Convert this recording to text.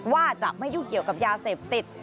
ว่าจะไม่ยุ่งเกี่ยวกับยาเสพติด